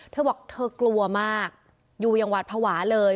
เธอบอกเธอกลัวมากอยู่ยังหวัดผวาเลย